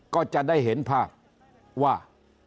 ก็จะได้เห็นภาพว่า